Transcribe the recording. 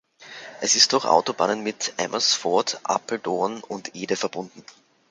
Es ist durch Autobahnen mit Amersfoort, Apeldoorn und Ede verbunden.